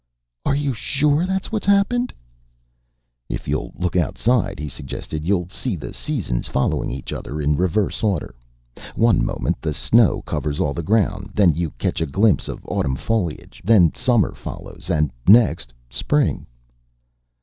"Are you sure that's what has happened?" "If you'll look outside," he suggested, "you'll see the seasons following each other in reverse order. One moment the snow covers all the ground, then you catch a glimpse of autumn foliage, then summer follows, and next spring."